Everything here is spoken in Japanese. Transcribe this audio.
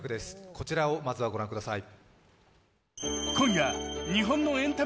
こちらをまずはご覧ください。